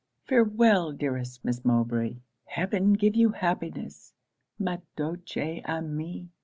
Farewell! dearest Miss Mowbray! Heaven give you happiness, _ma douce amie!